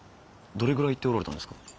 どれぐらい行っておられたんですか？